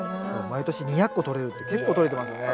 毎年２００個とれるって結構とれてますよね。